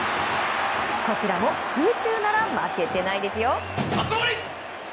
こちらも空中なら負けてないですよ。